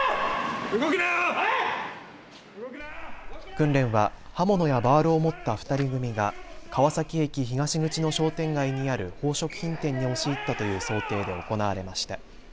訓練は刃物やバールを持った２人組が川崎駅東口の商店街にある宝飾品店に押し入ったという想定で行われました。